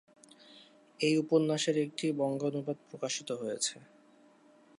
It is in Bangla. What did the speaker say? এই উপন্যাসের একটি বঙ্গানুবাদ প্রকাশিত হয়েছে।